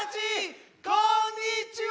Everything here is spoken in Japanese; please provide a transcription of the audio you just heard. わこんにちは！